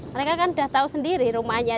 mereka kan sudah tahu sendiri rumahnya